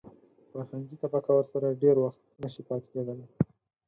فرهنګي طبقه ورسره ډېر وخت نشي پاتې کېدای.